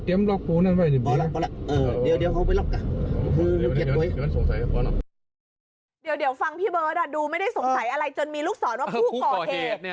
เดี๋ยวฟังพี่เบิร์ตดูไม่ได้สงสัยอะไรจนมีลูกศรว่าผู้ก่อเหตุ